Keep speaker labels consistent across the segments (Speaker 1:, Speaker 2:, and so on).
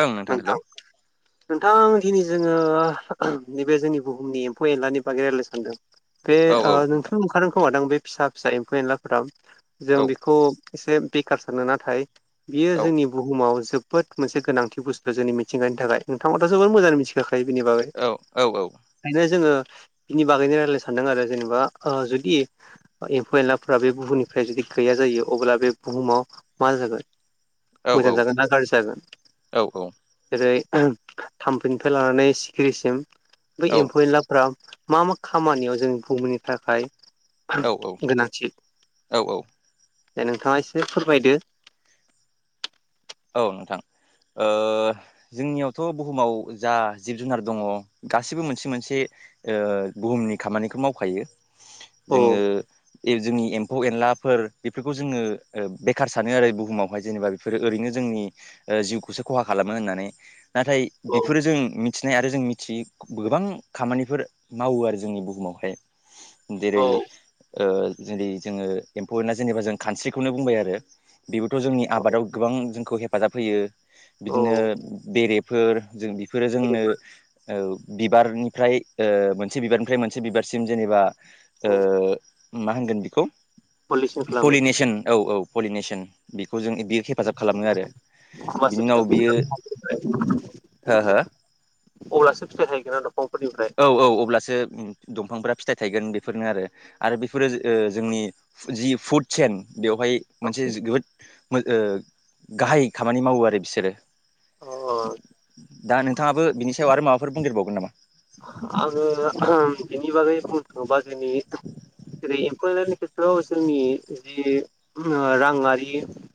Speaker 1: ओं नोंथां हेलौ
Speaker 2: नोंथां दिनि जोङो नैबे जोंनि बुहुमनि एम्फौ एनलानि बागै रायज्लायनो सानदों बे
Speaker 1: औ औ
Speaker 2: ओ नोंथ
Speaker 1: नोंथां
Speaker 2: नुखादों खोमादों बे फिसा फिसा एम्फौ एनलाफोराव जों
Speaker 1: औ
Speaker 2: बेखौ एसे बेखार सानो नाथाय बियो
Speaker 1: औ
Speaker 2: जोंनि बुहुमाव जोब बोद मोनसे गोनांथि बुस्थु जोंनि मिथिंगानि थाखाय नोंथांआथ जोबोर मोजां मिथिखा खायो बिनि बागै
Speaker 1: औ औ
Speaker 2: ओंखायनो जोङो बिनि बागैनो रायज्लायनो सानदों आरो जेनेबा ओ जुदि एम्फौ एनलाफ्रा बे बुहुमनिफ्राय जुदि गैया जायो अब्ला बे बुहुमाव मा जागोन
Speaker 1: औ
Speaker 2: मोजां जागोन ना गाज्रि जागोन
Speaker 1: औ औ
Speaker 2: ओेरै थाम्फैनिफ्राय लानानै सिखिरिसिम बै एम्फौ एनला फोरा मा मा खामानियाव जोंनि बुुमनि थाखाय
Speaker 1: औ
Speaker 2: गोनांथि
Speaker 1: औ
Speaker 2: दा नोंथाङा एसे फोरमायदो
Speaker 1: औ नोंथां ओ जोंनियावथ बुहुमाव जा जिब जुनार दङ गासिबो मोनसे मोनसे ओ बुहुमनि खामानिखौ मावखायो
Speaker 2: औ
Speaker 1: जोङो जोंनि एम्फौ एनलाफोर बेफोरखौ जोङो ओ बेखार सानो आरो बुहुमावहाय जेनेबा बेफोरो ओरैनो जोंनि ओ जिउखौसो खहा खालामो होननानै नाथाय
Speaker 2: औ
Speaker 1: बेफोरो जों मिथिनाय आरो जों मिथियै गोबां खामानिफोर मावो आरो जोंनि बुहुमावहाय। जेरै
Speaker 2: औ
Speaker 1: ओ जेरै जोङो एम्फौ एना जेनेबा जों खानस्रिखौनो बुंबाय आरो बेबोथ' जोंनि आबादाव गोबां जों खौ हेफाजाब होयो
Speaker 2: औ
Speaker 1: बिदिनो बेरेफोर जों बेफोरो जोंनो
Speaker 2: एरिफोरखौ
Speaker 1: ओ बिबारनिफ्राय ओ मोनसे बिबारनिफ्राय मोनसे बिबारसिम जेनेबा ओ मा होनगोन बेखौ
Speaker 2: पलिउसन खालामो
Speaker 1: पलिनेसन औ औ पलिनेसन बेखौ जों बेयो हेफाजाब खालामो आरो
Speaker 2: [unintelligible] अब्लासो
Speaker 1: बिनि उनाव बियो हो हो
Speaker 2: फिथाय थायगोन।
Speaker 1: औ औ अब्लासो ओ दं दंफांफोरा फिथाइ थायगोन बेफोरनो आरो आरो बेफोरो ओ जोंनि जि फुड सेन बेवहाय मोनसे जोबोद ओ गाहाय खामानि मावो आरो बिसोरो।
Speaker 2: अ
Speaker 1: दा नोंथाङाबो बिनि सायाव आरो माबाफोर बुंदेरबावगोन नामा?
Speaker 2: आङो बिनि बागै बुंनो थाङोबा जोनि जेरै एम्फौ एनलानि खेथ्रआव जोंनि जि ओ राङारि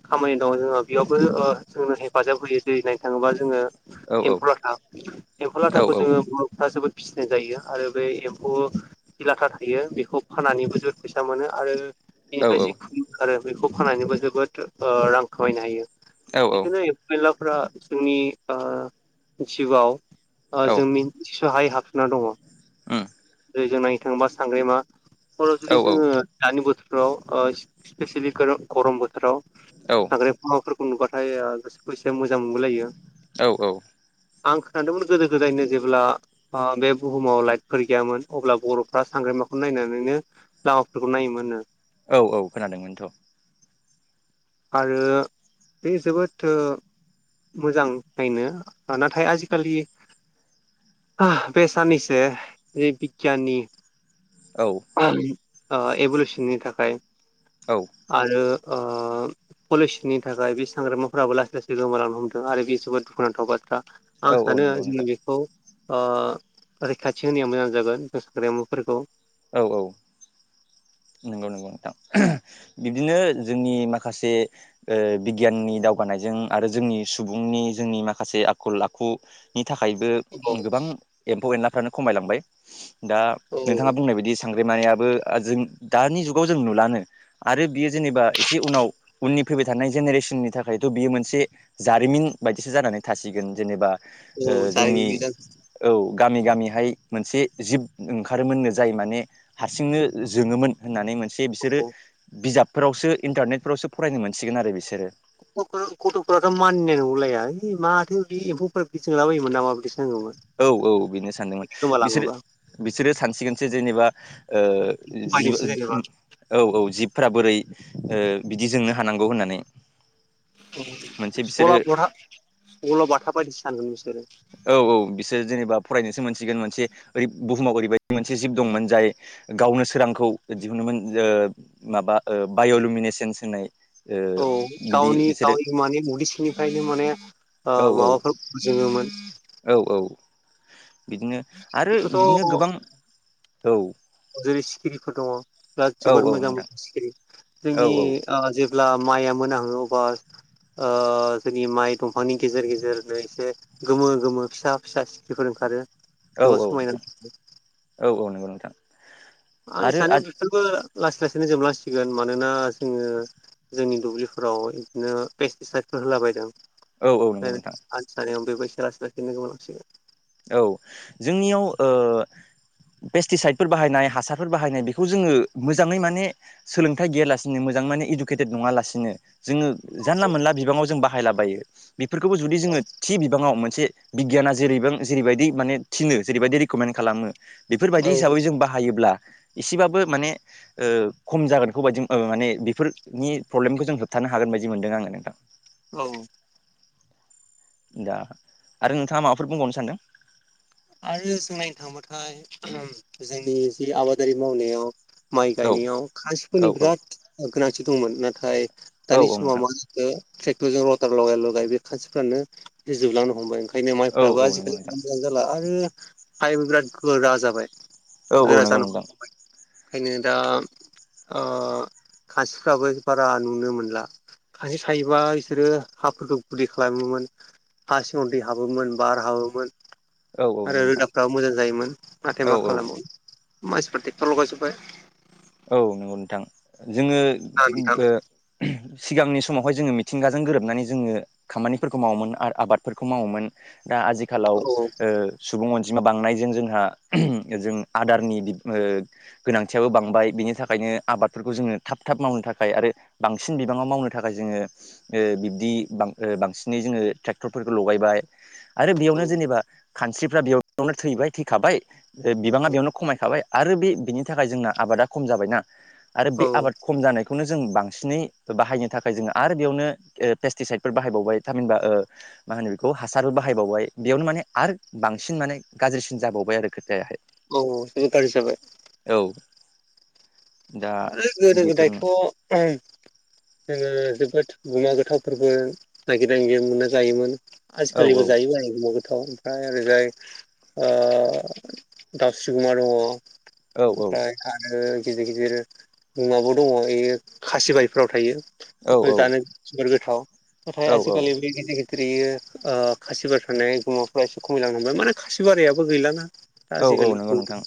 Speaker 2: खामानि दङ जोंहा बेयावबो जोंनो हेफाजाब होयो दै नायनो थाङोबा जोङो
Speaker 1: औ औ
Speaker 2: एम्फौ लाथा एम्फौ लाथाखौ
Speaker 1: औ
Speaker 2: जोङो बर'फोरा जोबोद फिसिनाय जायो आरो बे एम्फौ जि लाथा थायो बेखौ फाननानैबो जोबोद फैसा मोनो आरो
Speaker 1: औ
Speaker 2: बेनिफ्राय जि खुन ओंखारो बेखौ फानानैबो जोबोद ओ रां खामायनो हायो।
Speaker 1: औ
Speaker 2: बिदिनो एम्फौ एनलाफोरा जोंनि ओ जिउआव
Speaker 1: औ
Speaker 2: जों मिथिस' हायै हाबसोना दङ।
Speaker 1: उम
Speaker 2: जि जों नायनो थाङोबा सांग्रेमा खर' जुदि
Speaker 1: औ
Speaker 2: जोङो दानि बोथोराव ओ सिफेसिलि गो-गरम बोथोराव
Speaker 1: औ
Speaker 2: सांग्रेमाफोर नुबाथाय गासोखौ एसे मोजां मोनबोलायो।
Speaker 1: औ
Speaker 2: आं खोनादोंमोन गोदो गोदायनो जेब्ला ओ बे बुहुमाव लाइटफोर गैयामोन अब्ला बर'फ्रा सांग्रेमाखौ नायनानैनो लामाफोरखौ नायोमोन नो।
Speaker 1: औ औ खोनादोंमोनथ'।
Speaker 2: आरो बे जोबोद ओ मोजां नायनो नाथाय आजिखालि बे साननैसो बिगियाननि
Speaker 1: औ
Speaker 2: ओ एभुलेसननि थाखाय आरो ओ पलिसनि थाखाय बे साग्रेमाफोराबो लासै लासै गोमालांनो हमदों आरो बे जोबोद दुखुनांथाव बाथ्रा।
Speaker 1: औ
Speaker 2: आं सानो
Speaker 1: नंगौ
Speaker 2: जोङो
Speaker 1: नोंथां
Speaker 2: बेखौ ओ रैखाथि होनाया मोजां जागोन बे साग्रेमाफोरखौ।
Speaker 1: औ औ नंगौ नंगौ नोंथां बिब्दिनो जोंनि माखासे ओ बिगियाननि दाव गानायजों आरो जोंनि सुबुंनि जोंनि माखासे आखल आखुनि थाखायबो
Speaker 2: औ
Speaker 1: गोबां एम्फौ एनलाफ्रानो खमायलांबाय दा
Speaker 2: औ
Speaker 1: नोंथाङा बुंनाय बायदि सांग्रेमायाबो आ-जों दानि जुगाव जों नुलानो आरो बियो जेनेबा एसे उनाव उननि फैबाय थानाय जेनेरेसननि थाखाय थ' बियो मोनसे जारिमिन बायदिसो जानानै थासिगोन जेनेबा ओ
Speaker 2: औ जायो
Speaker 1: जोंनि
Speaker 2: बिदां
Speaker 1: औ गामि गामिहाय मोनसे जिब ओंखारोमोन जाय माने हारसिंनो जोङोमोन। होननानै मोनसे बिसोरो
Speaker 2: औ
Speaker 1: बिजाबफोरावसो इन्टारनेटफोरावसो फरायनो मोनसिगोन आरो बिसोरो
Speaker 2: गथ' गथ'फोराथ' मानिनाय नंलाया ओइ माथो एम्फौफोरा बिरथिंलाबोयोमोन नामा बिदिनो
Speaker 1: औ औ बेनो सानदोंमोन बिसोर
Speaker 2: गोमालाङोबा
Speaker 1: बिसोरो सानसिगोनसो जेनेबा ओ जि
Speaker 2: बायदोंसो जेनेबा
Speaker 1: औ औ जिबफ्रा बोरै ओ बिदि जोंनो हानांगौ होननानै। मोनसे
Speaker 2: सल'
Speaker 1: बिसोरो
Speaker 2: बथा सल' बाथा बायदिसो सानगोन बिसोरो
Speaker 1: औ औ बिसोर जेनेबा फरायनोसो मोनसिगोन मोनसे ओरै बुहुमाव ओरैबायदि मोनसे जिब दंमोन जाय गावनो सोरांखौ दिहुमोन माबा बाय'लुमिनेसन्स होननाय ओ
Speaker 2: औ
Speaker 1: बिदि
Speaker 2: गावनि
Speaker 1: बिसोरो
Speaker 2: गावनि माने उदैसिनिफ्रायनो माने ओ
Speaker 1: औ औ
Speaker 2: माबाखौ जोङोमोन।
Speaker 1: औ औ बिदिनो आरो
Speaker 2: बेखौथ'
Speaker 1: बिदिनो गोबां औ
Speaker 2: जेरै सिखिरिफोर दङ' बिराद
Speaker 1: औ
Speaker 2: जोबोद
Speaker 1: औ
Speaker 2: मोजां
Speaker 1: नोंथां
Speaker 2: मोजां सिखिरि
Speaker 1: औ
Speaker 2: जोंनि ओ जे ब्ला माइआ मोन ओ अब्ला ओ जोंनि माइ दंफांनि गेजेर गेजेरनो एसे गोमो गोमो फिसा फिसा सिख्रिफोर ओंखारो
Speaker 1: औ
Speaker 2: जोबोदब
Speaker 1: औ
Speaker 2: समायना
Speaker 1: नोंथां औ औ नंगौ नोंथां
Speaker 2: आंनि
Speaker 1: आरो
Speaker 2: साननायाव बेफोरबो लासै लासैनो जोबलांसिगोन मानोना जोङो जोंनि दुब्लिफोराव बिदिनो पेस्टिसाइदफोर होलाबायदों
Speaker 1: औ औ
Speaker 2: [unintelligible]
Speaker 1: नंगौ नोंथां
Speaker 2: लासै लासैनो गोमालांसिगोन
Speaker 1: औ जोंनियाव ओ पेस्टिसाइदफोर बाहायनाय हासारफोर बाहायनाय बेखौ जोङो मोजाङै माने सोलोंथाइ गैयालासिनो मो जां माने इडुकेटेड नङा लासिनो जोङो जानला मोनला बिबाङाव जों बाहायलाबायो बेफोरखौबो जुदि जोङो थि बिबाङाव मोनसे बिगियाना जेरैबों जेरैबायदि माने थिनो जेरैबायदि रेकमेन्ड खालामो
Speaker 2: औ
Speaker 1: बेफोरबायदि हिसाबै जों बाहायोब्ला एसेबाबो माने ओ खम जागोनखौ बायदि माने बेफोरनि प्रब्लेमखौ जों होबथानो हागोन बायदि मोनदों आ नोंथां।
Speaker 2: औ
Speaker 1: दा आरो नोंथाङा माबाफोर बुंबावनो सानदों?
Speaker 2: आरो जों नायनो थांबाथाय जोंनि जि आबादारि मावनायाव माइ
Speaker 1: औ
Speaker 2: गायनायाव
Speaker 1: औ
Speaker 2: खान्सिफोरनि
Speaker 1: औ
Speaker 2: बिराद गोनांथि दंमोन नाथाय
Speaker 1: औ
Speaker 2: दानि
Speaker 1: औ नोंथां
Speaker 2: समाव [unintelligible] ट्रेक्टरजों रटार लगाय लगाय बे खान्सिफ्रानो जोबलांनो हमबाय खायनो
Speaker 1: औ
Speaker 2: माइफ्राबो
Speaker 1: औ नंगौ नोंथां
Speaker 2: आजिखालि जाला आरो हायो बिराद गोरा जाबाय
Speaker 1: औ औ
Speaker 2: गोरा
Speaker 1: नंगौ
Speaker 2: जानो
Speaker 1: नोंथां।
Speaker 2: ओंखायनो दा ओ खान्स्रिफ्राबो बारा नुनो मोनला। खान्स्रि सायोबा बिसोरो हाफोरखौ गुदै खालामोमोन हासिङाव दै हाबोमोन बार हाबोमोन
Speaker 1: औ औ नंगौ
Speaker 2: आरो
Speaker 1: नोंथां
Speaker 2: रोदाफ्राबो मोजां जायोमोन नाथाय
Speaker 1: औ
Speaker 2: मा खालामबावनो मासफ्रा टेकतर लगायजोबबाय
Speaker 1: औ नंगौ नोंथां जोङो
Speaker 2: ना नोंथां
Speaker 1: ओ सिगांनि समावहाय जोङो मिथिंगाजों गोरोबनानै जोङो खामानिफोरखौ मावोमोन आरो आबादफोरखौ मावोमोन दा आजिखालाव
Speaker 2: औ
Speaker 1: ओ सुबुं अन जिमा बांनायजों जोंहा जों आदारनि बिब ओ गोनांथियाबो बांबाय बिनि थाखायनो आबादफोरखौ जोङो थाब थाब मावनो थाखाय आरो बांसिन बिबाङाव मावनो थाखाय जोङो ओ बिब्दि बां-बांसिनै जोङो ट्रेक्टरफोरखौ लगायबाय आरो
Speaker 2: औ
Speaker 1: बेयावनो जेनेबा खानस्रिफ्रा बेयावयावनो थैबाय थैखाबाय बिबाङा बेयावनो खमायखाबाय आरो बे बिनि थाखाय जोंना आबादा खम जाबायना आरो बे
Speaker 2: औ
Speaker 1: आबाद खम जानायखौनो जों बांसिनै बाहायनो थाखाय जोङो आरो बेयावनो पेस्टिसाइदफोर बाहायबावबाय थामहिनबा ओ मा होनो बेखौ हासारबो बाहायबावबाय बेयावनो माने आरो बांसिन माने गाज्रिसिन जाबावबाय आरो खोथायाहाय।
Speaker 2: औ बिराद गारजि जाबाय
Speaker 1: औ दा
Speaker 2: ओ गोदो गोदायथ'
Speaker 1: बेफोरनो
Speaker 2: जोङो जोबोद गुमा गोथावफोरबो नागिर मोनो जायोमोन।
Speaker 1: औ
Speaker 2: आजिखालिबो जायोबो [unintelligible] ओमफ्राय ओरैजाय दाउस्रिगुमा दङ
Speaker 1: औ औ
Speaker 2: ओमफ्राय आरो गिदिर गिदिर मुङाबो दङ बे खासि बारिफोराव थायो
Speaker 1: औ
Speaker 2: बेफोर जानो जोबोर गोथाव नाथाय
Speaker 1: औ
Speaker 2: आजिखालि बे गिदिर ग्रेयो खासिबार थानाय बिमाफ्रा एसे खमायलांनो थांबाय माने खासिबारियाबो गैलाना दा
Speaker 1: औ औ
Speaker 2: आजिखालि
Speaker 1: नंगौ नोंथां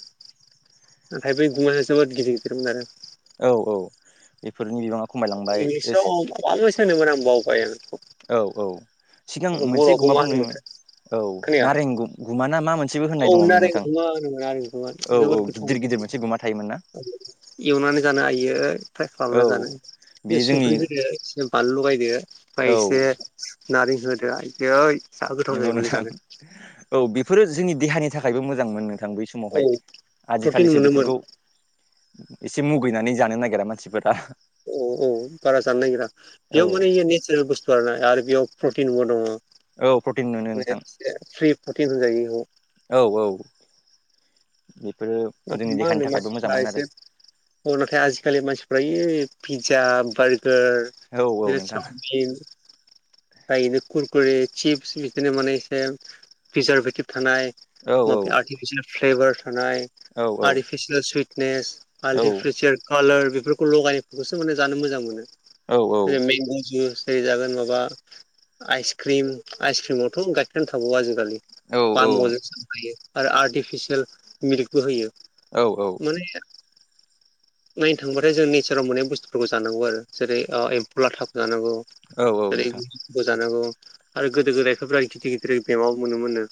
Speaker 2: [unintelligible] गुम गिदिर गिदिरमोन आरो
Speaker 1: औ औ बेफोरनि बिबाङा खमायलांबाय
Speaker 2: इंलिसाव माबा मोनसे होनोमोन आं बावबाय
Speaker 1: औ औ सिगां
Speaker 2: आरो
Speaker 1: मोनसे
Speaker 2: बर'आवबो
Speaker 1: गुमा
Speaker 2: मा
Speaker 1: बुंमोन
Speaker 2: होनोमोनथाय
Speaker 1: औ
Speaker 2: खोनाया
Speaker 1: नारें गुमा ना मा मोनसे
Speaker 2: औ नारें गुमा होनो नारेंगुमा
Speaker 1: औ औ
Speaker 2: जोबोद गोथाव
Speaker 1: गिदिर गिदिर मोनसे गुमा थायोमोन ना
Speaker 2: एवनानै जानो हायो फ्राय
Speaker 1: औ
Speaker 2: खालामना जानो बे
Speaker 1: बेयो जोंनि
Speaker 2: संख्रि होदो बिनो बानलु लगायदो
Speaker 1: औ
Speaker 2: ओमफ्राय एसे नारें होदो आइयै
Speaker 1: नंगौ नोंथां औ बेफोरो जोंनि देहानि थाखायबो मोजां मोन नों थां बै
Speaker 2: औ
Speaker 1: समावहाय
Speaker 2: प्रटिन
Speaker 1: आजिखालिसो
Speaker 2: मोनोमोन
Speaker 1: बेफोरखौ एसे मुगैनानै जानो नागिरा मानसिफोरा
Speaker 2: औ औ बारा‌ जानो नागेरा
Speaker 1: औ
Speaker 2: बेयाव माने नेसारेल बुसथु आरो बेयाव प्रटिनबो दङ
Speaker 1: औ प्रटिन मोनो नोंथां
Speaker 2: बेराद फ्रि प्रटिन होनजायो बेखौ
Speaker 1: बे
Speaker 2: नाथाय मा होनो मानसिफ्रा एसे औ नाथाय आजिखालि मानसिफ्रा इ पिज्जा बार्गार
Speaker 1: आरो औ औ
Speaker 2: बिनो
Speaker 1: नोंथां
Speaker 2: चावमिन म इनो खुरकुरि चिप्स बिदिनो माने एसे प्रिजारभेटिभ थानाय
Speaker 1: औ
Speaker 2: माब आर्टिफिसियेल फ्लेभार थानाय
Speaker 1: औ
Speaker 2: आर्टिफिसियेल सुइटनेस
Speaker 1: औ
Speaker 2: आल्टिफसियार कालार बेफोरखौ लगायनायफोरखौसो माने जानो मोजां मोनो।
Speaker 1: औ
Speaker 2: जेरै मेग' जुस एरै जागोन माबा आइस क्रिम आइस क्रिमावथ' गायखेरानो थाबावो आजिखालि पामल हायो आरो आर्टिफिसियेल मिल्कबो होयो
Speaker 1: औ
Speaker 2: मोनैया नायनो थांबाथाय जों नेचाराव मोननाय बुस्थुफोरखौ जानांगौ आरो जेरै एम्फौ लाथा जानांगौ
Speaker 1: औ औ
Speaker 2: एरै
Speaker 1: नोंथां
Speaker 2: बोजानांगौ आरो गोदो गोदायफोर गिदिर गिदिर बेमकआव मोनोमोन नो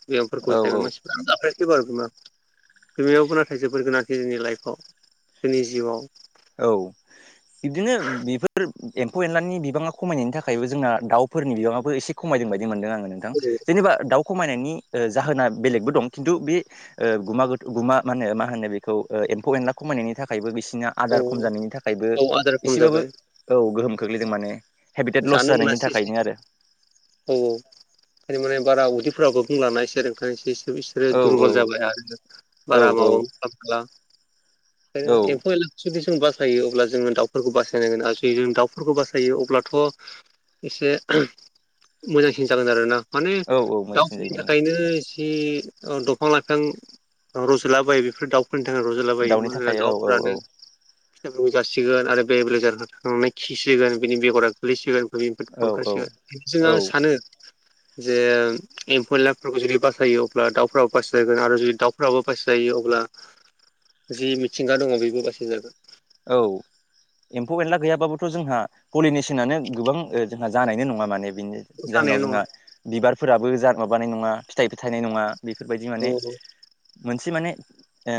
Speaker 1: औ औ
Speaker 2: [unintelligible] एबार गोमाखै बिमायावबो नाथाय जोबोर गोनांथि जोंनि लाइफआव जोंनि जिउआव
Speaker 1: औ बिदिनो बेफोर एम्फौ एनलानि बिबाङा खमायनायनि थाखायबो जोंना दाउ फोरनि बिबाङाबो एसे खमायदों बायदि मोनदों आङो नोंथां जेनेबा दाउ खमायनायनि जाहोना बेलेगबो दं खिन्थु बे गुमा मा होनो मा होनो बेखौ एम्फौ एनला खमायनायनि थाखायबो बिसिना
Speaker 2: औ
Speaker 1: आदार खम जानायनि थाखायबो
Speaker 2: औ आदार खम
Speaker 1: एसेबाबो
Speaker 2: जाबाय
Speaker 1: औ गोहोम खोख्लैदों माने। हेबिटेट लस
Speaker 2: जानो
Speaker 1: जानायनि
Speaker 2: मोनासै
Speaker 1: थाखायनो आरो
Speaker 2: औ औ माने बारा उदैफोराबो सुफुं लानाय [unintelligible] बिसोरो
Speaker 1: औ औ
Speaker 2: दुरबल जाबाय आरो
Speaker 1: औ
Speaker 2: बारा माबाो
Speaker 1: औ
Speaker 2: खालामला ओ
Speaker 1: औ
Speaker 2: एम्फौ [unintelligible] जों बासायो अब्ला जोङो दाउफोरखौ बासायनांगोन आरो जु जों दाउफोरखौ बासायो अब्ला थ' एसे मोजांसिन जागोन आरोना माने
Speaker 1: औ औ मोजांसिन
Speaker 2: दाउफोरनि
Speaker 1: जायोमोन नोंथां
Speaker 2: थाखायनो जि दंफां लाइफां रज'ला बायो बेफोर दाउ फोरनि थाखाय रंजालाबायो
Speaker 1: दाउनि
Speaker 2: मानोना
Speaker 1: थाखाय औ औ
Speaker 2: दाउफ्रानो जासिगोन आरो बे बेल जार थांनानै खिसिगोन बिनि बेगरा गोग्लैसिगोन निफ्राय
Speaker 1: औ
Speaker 2: ओंखारसो
Speaker 1: औ
Speaker 2: बेजों आं सानो जे एम्फौ एनलाइफोरखौ जुदि बासायो अब्ला दाउफ्राबो बाससि जागोन आरो जुदि दाउफ्राबो बासिजायो अब्ला अब्ला जि मिथिंगा दङ बेबो बासायगोन
Speaker 1: थ' जोंहा पलिनेसनानो गोबां ओ जोंहा जानाय नङा माने बिनि
Speaker 2: सानाया
Speaker 1: जाहोनाव
Speaker 2: नङा
Speaker 1: जोंहा बिबारफोराबो जाद माबानाय नङा फिथाइबो थानायनाय नङा बेफोरबायदि
Speaker 2: औ
Speaker 1: माने मोनसे मोनसे माने ओ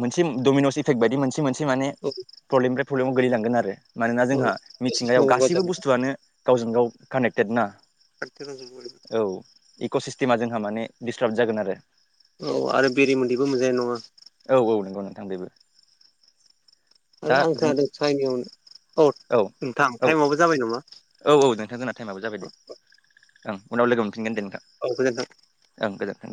Speaker 1: मोनसे दमिनिटक बायदि मोनसे मोनसे
Speaker 2: औ
Speaker 1: फ्रब्लेनिफ्राय फ्रब्लेम गोगलैलांगोन आरो मानोना
Speaker 2: औ
Speaker 1: जोंहा मिथिंगायाव गासैबो बुस्थुआनो गावजों गाव कानेक्टेड ना
Speaker 2: [unintelligible]
Speaker 1: क सिस्टेमा जोंहा माने दिडस्टार्ब जागोन आरो।
Speaker 2: औ आरो बेरि मन्दैबो मोजाङानाय नङा।
Speaker 1: थांबायबो
Speaker 2: आरो आं खोनादों चाइनि [unintelligible]
Speaker 1: औ
Speaker 2: नोंथां
Speaker 1: औ
Speaker 2: टाइमाबबो जाबाय नामा।
Speaker 1: औ - औ नोंथां जोंना टाइमाबबो जाबाय दे ओं उनाव लोगो मोनफिनगोन दे।
Speaker 2: औ गोजोनथों।
Speaker 1: औ गोजोनथों।